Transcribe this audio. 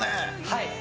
はい。